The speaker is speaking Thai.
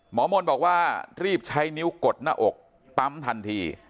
หมอมนต์บอกว่ารีบใช้นิ้วกดหน้าอกปั๊มทันที